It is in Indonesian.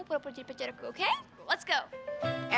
pokoknya sekarang kamu perlu pergi pacarku oke